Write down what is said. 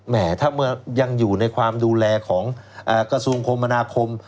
ถ้าเมื่อยังอยู่ในความดูแลของกระทรวงคมมนาคม